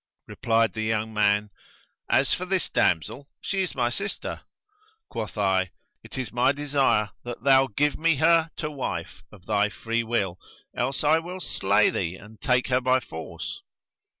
Replied the young man, "As for this damsel she is my sister." Quoth I, "It is my desire that thou give me her to wife of thy free will: else will I slay thee and take her by force."